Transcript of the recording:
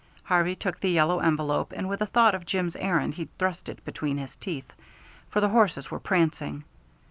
Harvey took the yellow envelope and with a thought of Jim's errand he thrust it between his teeth, for the horses were prancing.